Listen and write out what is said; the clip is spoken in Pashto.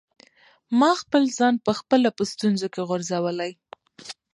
ما خپل ځان په خپله په ستونزو کي غورځولی.